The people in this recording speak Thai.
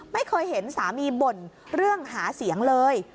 ไม่เคยเห็นสามีบ่นเรื่องหาเสียงเลย